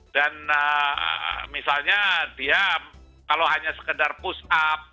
dan misalnya dia kalau hanya sekedar push up